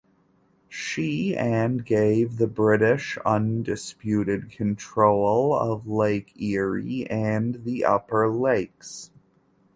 She and gave the British undisputed control of Lake Erie and the Upper Lakes.